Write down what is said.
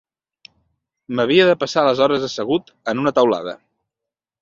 M'havia de passar les hores assegut en una teulada